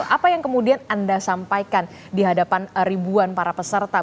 apa yang kemudian anda sampaikan di hadapan ribuan para peserta